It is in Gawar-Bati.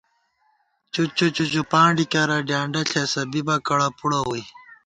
چُچّو چُچّوپانڈی کېرہ، ڈیانڈہ ݪېسہ، بِبہ کڑہ پُڑہ ووئی